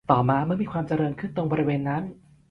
ต่อมาเมื่อมีความเจริญขึ้นตรงบริเวณนั้น